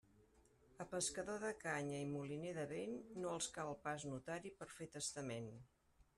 A pescador de canya i moliner de vent, no els cal pas notari per fer testament.